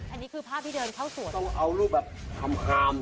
อันนี้คือภาพที่เดินเข้าสวนต้องเอารูปแบบคำ